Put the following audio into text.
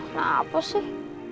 nah apa sih